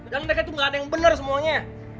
dan mereka itu gak ada yang benar semuanya